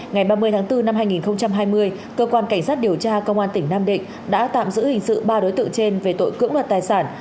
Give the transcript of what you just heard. ngày ba mươi tháng bốn năm hai nghìn hai mươi cơ quan cảnh sát điều tra công an tỉnh nam định đã tạm giữ hình sự ba đối tượng trên về tội cưỡng đoạt tài sản